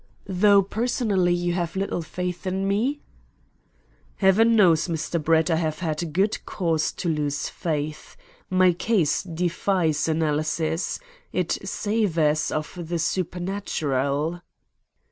"Though, personally, you have little faith in me?" "Heaven knows, Mr. Brett, I have had good cause to lose faith. My case defies analysis. It savours of the supernatural."